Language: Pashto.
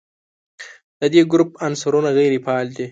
د دې ګروپ عنصرونه غیر فعال دي.